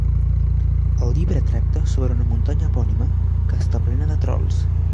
El llibre tracta sobre una muntanya epònima, que està plena de trols.